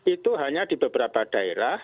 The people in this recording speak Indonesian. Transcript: itu hanya di beberapa daerah